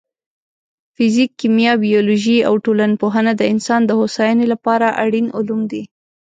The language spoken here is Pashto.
فزیک، کیمیا، بیولوژي او ټولنپوهنه د انسان د هوساینې لپاره اړین علوم دي.